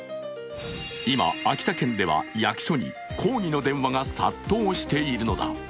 今、秋田県では役所に抗議の電話が殺到しているのだ。